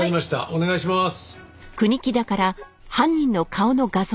お願いします。